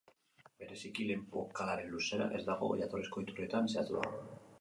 Bereziki, lehen bokalaren luzera, ez dago jatorrizko iturrietan zehaztua.